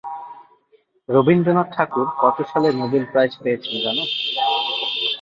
রবীন্দ্রনাথ ঠাকুর কত সালে Nobel prize পেয়েছেন জান?